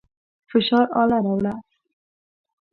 د فشار اله راوړه.